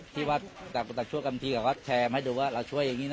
ที่วัดจักรตะชั่วกรรมที่ก็แชร์ให้ดูว่าเราช่วยอย่างนี้นะ